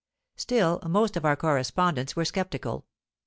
Still, most of our correspondents were sceptical.